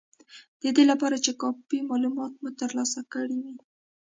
د دې لپاره چې کافي مالومات مو ترلاسه کړي وي